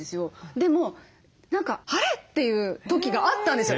でも何かあれ？っていう時があったんですよ。